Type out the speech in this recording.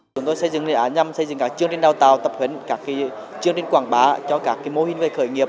chúng tôi xây dựng các chương trình đào tạo tập huyện các chương trình quảng bá cho các mô hình về khởi nghiệp